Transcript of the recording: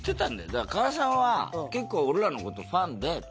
だから加賀さんは結構俺らの事ファンで当時。